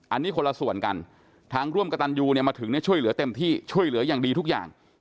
อันนี้คนละส่วนกันทางร่วมกับตันยูเนี่ยมาถึงช่วยเหลือเต็มที่ช่วยเหลืออย่างดีทุกอย่าง